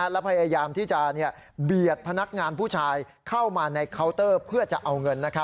และพยายามที่จะเบียดพนักงานผู้ชายเข้ามาในเคาน์เตอร์เพื่อจะเอาเงิน